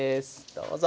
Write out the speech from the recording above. どうぞ。